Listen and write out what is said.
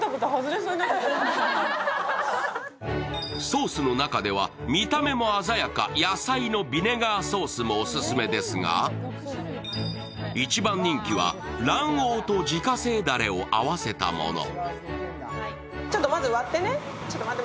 ソースの中では見た目も鮮やか野菜のビネガーソースもオススメですが、一番人気は卵黄と自家製だれを合わせたもの。